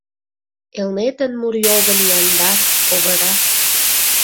Элнетын мурйогын яндар, ковыра.